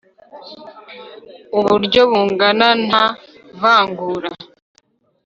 uburyo bungana nta vangura